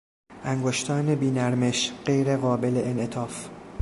انگشتان بی نرمش، غیر قابل انعطاف